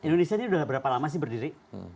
indonesia ini sudah berapa lama sih berdiri